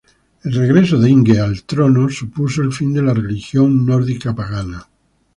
El regreso de Inge a trono supuso el fin de la religión nórdica pagana.